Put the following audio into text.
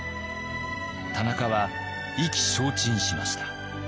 田中は意気消沈しました。